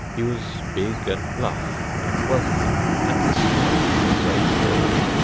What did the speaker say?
He was big and bluff and wealthy and the squire of Rose Hill.